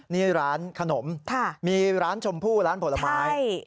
นี่ร้านขนมมีร้านชมพู่ร้านผลไม้